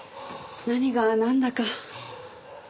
何がなんだか。